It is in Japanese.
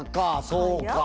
そうか。